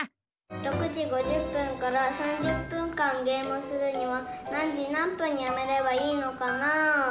６時５０分から３０分間ゲームするには何時何分にやめればいいのかなぁ？